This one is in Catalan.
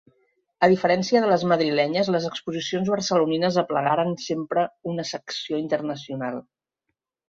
A diferència de les madrilenyes, les exposicions barcelonines aplegaren sempre una secció internacional.